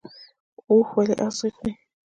اوښ ولې اغزي خوري؟